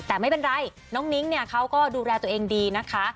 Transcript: แต่ไม่เป็นไรน้องนิ้งเนี่ยเขาก็ดูแลตัวเองดีนะคะ